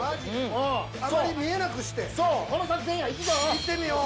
いってみよう。